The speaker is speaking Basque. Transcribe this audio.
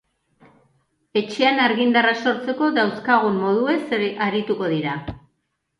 Etxean argindarra sortzeko dauzkagun moduetaz arituko dira.